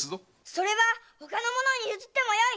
それはほかの者に譲ってもよい！